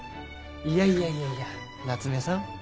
いやいやいやいや夏目さん。